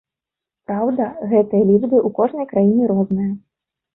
Праўда, гэтыя лічбы ў кожнай краіне розныя.